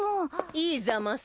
いいざます？